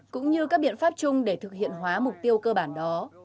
cũng như các biện pháp chung để thực hiện hóa mục tiêu cơ bản đó